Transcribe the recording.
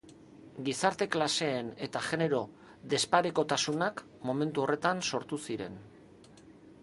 Gizarte klaseen eta genero-desparekotasunak momentu horretan sortu ziren.